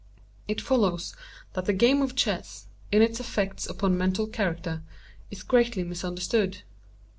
It follows that the game of chess, in its effects upon mental character, is greatly misunderstood.